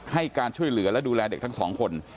ให้การช่วยเหลือและดูแลเด็กทั้งสองคน